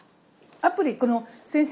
アプリこの先生